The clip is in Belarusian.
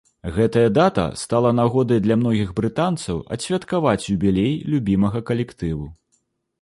Гэтая дата стала нагодай для многіх брытанцаў адсвяткаваць юбілей любімага калектыву.